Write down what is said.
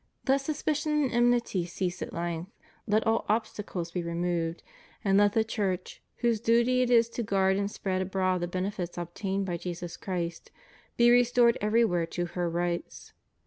Let suspicion and enmity cease at length; let all obstacles be removed, and let the Church, whose duty it is to guard and spread abroad the benefits obtained by Jesus Christ, be restored everywhere to her rights.